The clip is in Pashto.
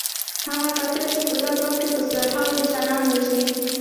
هغه قاتل چې په لږ وخت کې په سلهاوو انسانان وژني.